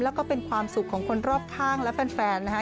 แล้วก็เป็นความสุขของคนรอบข้างและแฟนนะฮะ